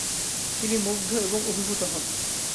তিনি মুগ্ধ এবং অভিভূত হন।